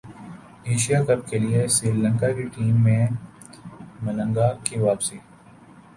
Asia Cup کیلئے سری لنکا کی team میں ملنگا کی واپسی